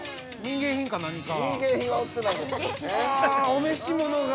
お召し物が。